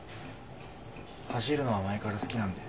走るのは前から好きなんで。